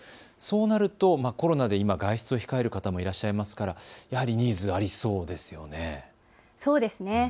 そうなるとコロナで今外出を控える方もいらっしゃいますからやはりニーズ、ありそうですね。